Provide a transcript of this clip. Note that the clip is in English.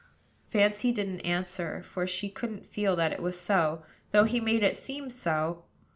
Fancy didn't answer; for she couldn't feel that it was so, though he made it seem so.